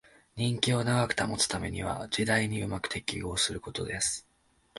人気を長く保つためには時代にうまく適応することです